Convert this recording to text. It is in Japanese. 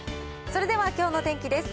それではきょうの天気です。